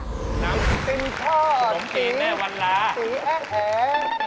น้ำสิ้นทอดสีแอ้งแข็ง